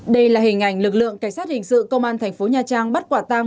đây là hình ảnh lực lượng cảnh sát hình sự công an thành phố nha trang bắt quả tang